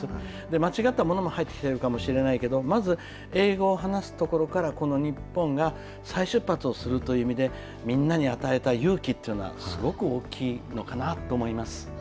間違ったものも入ってきてるかもしれないけど、まず、英語を話すところから、この日本が再出発をするという意味で、みんなに与えた勇気というのは、すごく大きいのかなと思います。